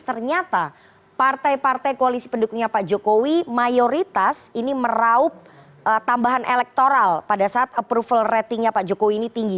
ternyata partai partai koalisi pendukungnya pak jokowi mayoritas ini meraup tambahan elektoral pada saat approval ratingnya pak jokowi ini tinggi